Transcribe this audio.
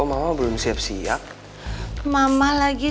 kita berangkat bareng aja